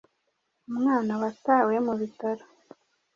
umwana watawe mu bitaro